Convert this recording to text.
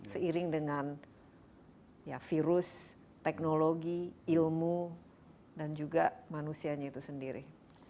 seiring dengan virus teknologi ilmu dan juga manusianya itu sendiri